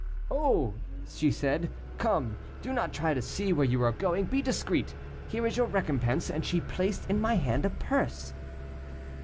"'Oh!' she said, 'come, do not try to see where you are going, be discreet, here is your recompense;' and she placed in my hand a purse."